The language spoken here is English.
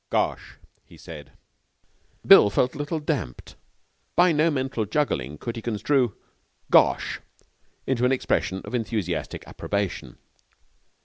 'Gosh!' he said. Bill felt a little damped. By no mental juggling could he construe 'Gosh!' into an expression of enthusiastic approbation.